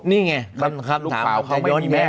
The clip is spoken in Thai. นี่ไงลูกสาวเขาไม่มีแม่